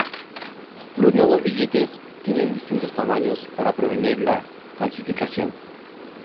Los nuevos billetes tienen distintos tamaños para prevenir la falsificación.